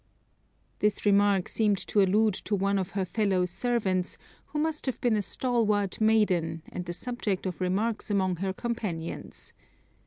This remark seemed to allude to one of her fellow servants, who must have been a stalwart maiden, and the subject of remarks among her companions.